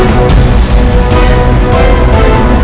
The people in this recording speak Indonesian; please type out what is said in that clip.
pak gan segitu aja